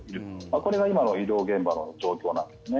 これが今の医療現場の状況です。